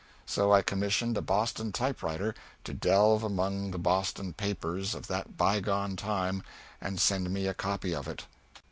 So I commissioned a Boston typewriter to delve among the Boston papers of that bygone time and send me a copy of it.